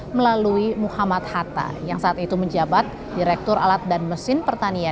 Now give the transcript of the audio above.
melalui muhammad hatta yang saat itu menjabat direktur alat dan mesin pertanian